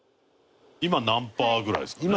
今何パーぐらいですかね？